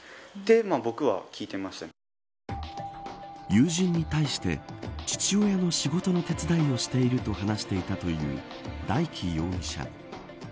友人に対して父親の仕事の手伝いをしていると話していたという大祈容疑者。